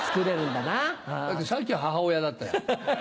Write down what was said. だってさっきは母親だっだよ。